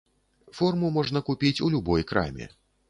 Форму можна купіць у любой краме.